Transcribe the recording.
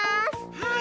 はい。